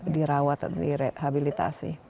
dirawat atau direhabilitasi